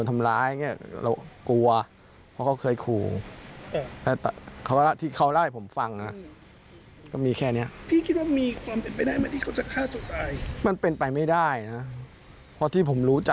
มันเป็นไปไม่ได้นะ